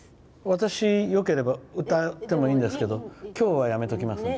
私、よければ歌ってもいいんですけど今日は、やめときますね。